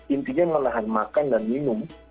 intinya menahan makan dan minum